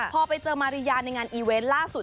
พอไปเจอมาริยาในงานอีเวนต์ล่าสุด